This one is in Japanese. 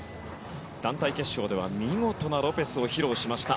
団体決勝では見事なロペスを披露しました。